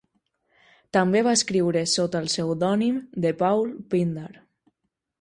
També va escriure sota el pseudònim de Paul Pindar.